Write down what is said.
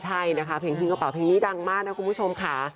ใช่นะคะเพลงทิ้งกระเป๋าเพลงนี้ดังมากนะคุณผู้ชมค่ะ